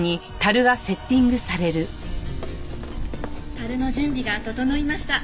樽の準備が整いました。